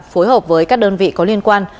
phối hợp với các đơn vị có liên quan